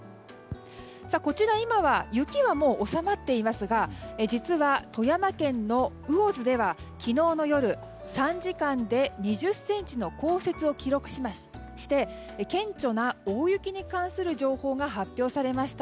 こちら、雪は今は収まっていますが実は富山県の魚津では昨日の夜３時間で２０ｃｍの降雪を記録して顕著な大雪に関する気象情報が発表されました。